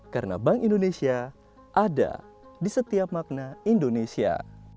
karena bank indonesia ada di setiap makna indonesia